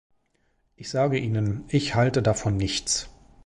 Ich sage Ihnen, ich halte davon nichts!